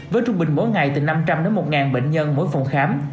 với trung bình mỗi ngày từ năm trăm linh đến một bệnh nhân mỗi phòng khám